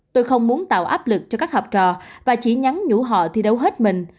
tôi không muốn tạo áp lực cho các học trò và chỉ nhắn nhủ họ thi đấu hết mình